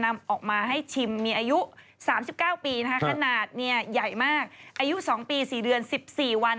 อายุ๒ปี๔เดือน๑๔วัน